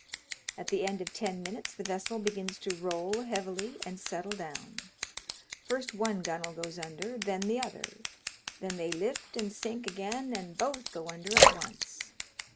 At the end of ten minutes the vessel begins to roll heavily and settle down. First one gun'l goes under, then the other. Then they lift and sink again, and both go under at once.